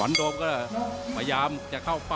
ฝ่ายทั้งเมืองนี้มันตีโต้หรืออีโต้